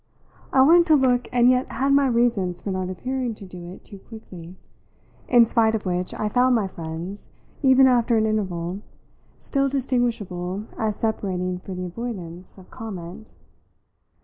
I wanted to look and yet had my reasons for not appearing to do it too quickly; in spite of which I found my friends, even after an interval, still distinguishable as separating for the avoidance of comment.